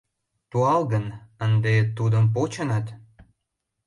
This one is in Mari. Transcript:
Туалгын, ынде тудым почыныт?